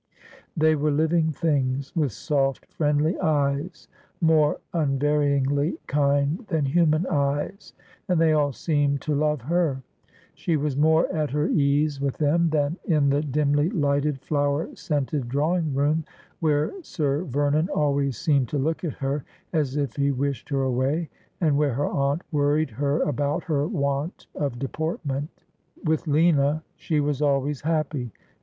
They were living things, with soft friendly eyes, more unvaryingly kind than human eyes, and they all seemed to love her. She was more at her ease with them than in the dimly lighted, flower scented drawing room, where Sir Vernon always seemed to look at her as if he wished her away, and where her aunt worried her about her want of deportment. "With Lina she was always happy.